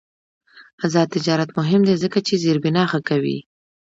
آزاد تجارت مهم دی ځکه چې زیربنا ښه کوي.